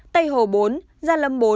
tây hồ bốn gia lâm bốn